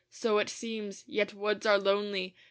So it seems. Yet woods are lonely.